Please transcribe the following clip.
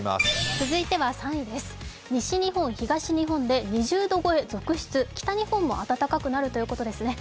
続いては３位です、西日本東日本で２０度超え続出、北日本も暖かくなるということですね。